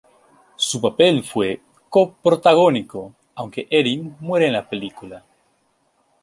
Su papel fue Co-Protagónico, aunque Erin muere en la película.